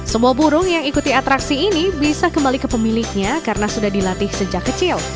semua burung yang ikuti atraksi ini bisa kembali ke pemiliknya karena sudah dilatih sejak kecil